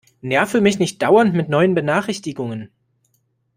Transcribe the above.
Nerve mich nicht dauernd mit neuen Benachrichtigungen!